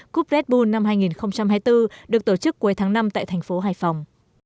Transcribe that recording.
cúp red bull năm hai nghìn hai mươi bốn được tổ chức cuối tháng năm tại thành phố hải phòng